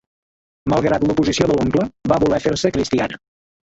Malgrat l'oposició de l'oncle, va voler fer-se cristiana.